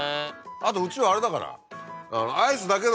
あとうちはあれだから。